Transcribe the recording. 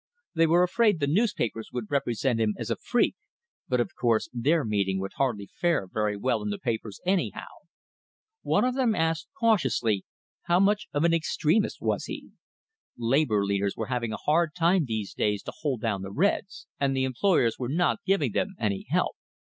They were afraid the newspapers would represent him as a freak, but of course their meeting would hardly fare very well in the papers anyhow. One of them asked, cautiously, how much of an extremist was he? Labor leaders were having a hard time these days to hold down the "reds," and the employers were not giving them any help.